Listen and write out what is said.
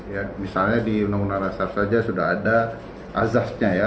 ya misalnya di undang undang dasar saja sudah ada azasnya ya